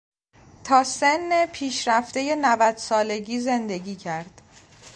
تا سن پیشرفتهی نودسالگی زندگی کرد.